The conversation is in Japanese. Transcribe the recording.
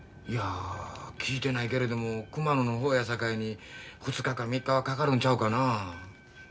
いや聞いてないけれども熊野の方やさかいに２日か３日はかかるんちゃうかな。